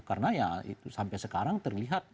karena ya sampai sekarang terlihat